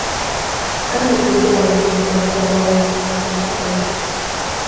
Cal é o principal público que acode ás vosas convocatorias?